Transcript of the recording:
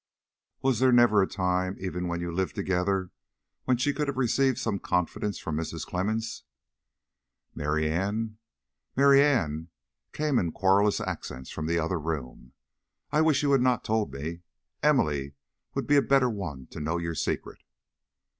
Was there never a time, even while you lived here together, when she could have received some confidence from Mrs. Clemmens " "Mary Ann, Mary Ann!" came in querulous accents from the other room, "I wish you had not told me; Emily would be a better one to know your secret."